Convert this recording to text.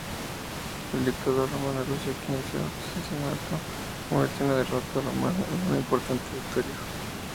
El dictador romano Lucio Quincio Cincinato convirtió una derrota romana en una importante victoria.